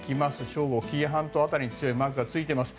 正午、紀伊半島辺りに強いマークがついています。